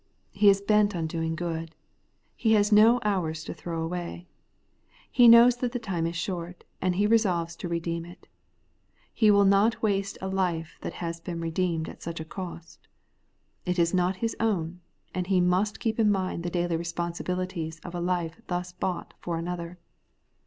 He is bent on doing good. He has no hours to throw away. He knows that the time is short, and he resolves to redeem it. He will not waste a life that has been redeemed at such a cost. It is not his own, and he must keep in mind the daily responsibilities of a life thus bought for another.